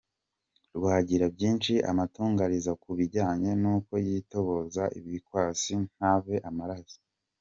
rw agira byinshi amutangariza ku bijyanye n’uko yitoboza ibikwasi ntave amaraso.